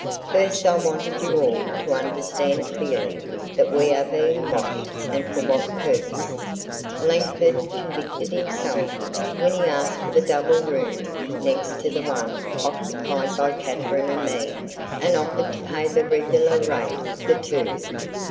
First I wanted you all to understand clearly that we are being watched and for what purpose. Langford convicted himself when he asked for the double room next to the one occupied by Katherine and me and offered to pay the regular rate for two.